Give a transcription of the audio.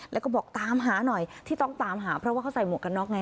แล้วก็บอกตามหาหน่อยที่ต้องตามหาเพราะว่าเขาใส่หมวกกันน็อกไง